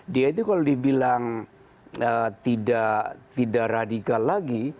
dia itu kalau dibilang tidak radikal lagi